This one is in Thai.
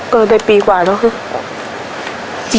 ก็ได้ปีกว่าแล้วค่ะ